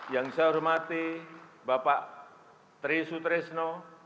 yang saya hormati bapak tri sutresno